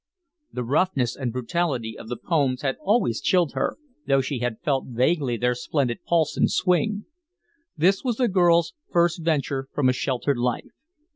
The roughness and brutality of the poems had always chilled her, though she had felt vaguely their splendid pulse and swing. This was the girl's first venture from a sheltered life.